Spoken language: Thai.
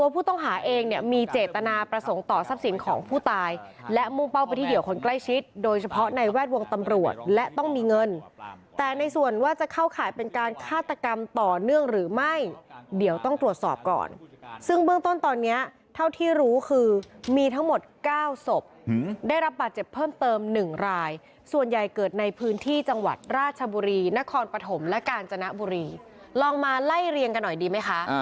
ผู้ต้องหาเองเนี่ยมีเจตนาประสงค์ต่อทรัพย์สินของผู้ตายและมุมเป้าประทิเดียวคนใกล้ชิดโดยเฉพาะในแวดวงตำรวจและต้องมีเงินแต่ในส่วนว่าจะเข้าขายเป็นการฆาตกรรมต่อเนื่องหรือไม่เดี๋ยวต้องตรวจสอบก่อนซึ่งเบื้องต้นตอนนี้เท่าที่รู้คือมีทั้งหมด๙ศพได้รับบัตรเจ็บเพิ่มเติม